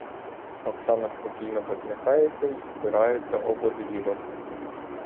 Оксана спокійно посміхається й спирається об одвірок.